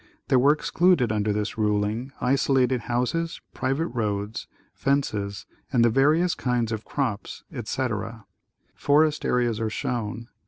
There were excluded under this ruling isolated houses, private roads, fences and the various kinds of crops, etc. Forest areas are shown.